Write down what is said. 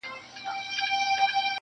ته ډېوه را واخله ماتې هم راکه,